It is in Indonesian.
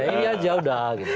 ini aja udah